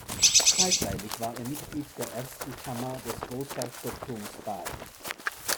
Zeitweilig war er Mitglied der Ersten Kammer des Großherzogtums Baden.